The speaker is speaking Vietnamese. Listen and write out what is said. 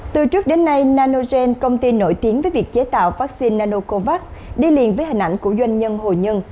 từ trước đến nay nanogen công ty nổi tiếng với việc chế tạo vaccine nanocovax đi liền với hình ảnh của doanh nhân hồi nhân